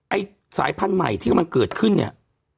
ไอ้สายพันธุ์ใหม่ที่กำลังเกิดขึ้นเนี่ย